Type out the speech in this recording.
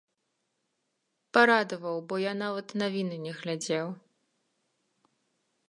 Парадаваў, бо я нават навіны не глядзеў.